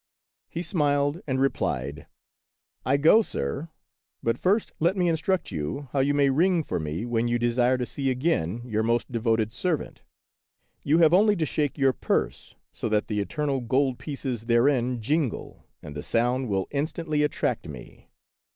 He smiled and replied: "I go, sir; but first let me instruct you how you may ring for me when you desire to see again your most devoted servant. You have only to shake your purse, so that the eternal gold pieces therein jingle, and the sound will instantly attract me.